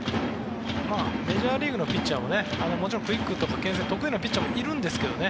メジャーリーグのピッチャーはクイックとかけん制が得意なピッチャーもいるんですけど